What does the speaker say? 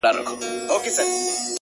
• سل ځله په دار سمه، سل ځله سنګسار سمه ,